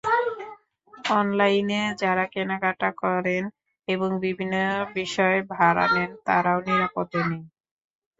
অনলাইনে যাঁরা কেনা-কাটা করেন এবং বিভিন্ন বিষয় ভাড়া নেন তাঁরাও নিরাপদে নেই।